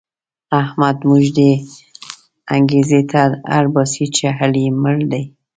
احمد موږ دې انګېرنې ته اړباسي چې علي مړ دی.